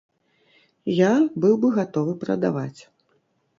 Я быў бы гатовы прадаваць.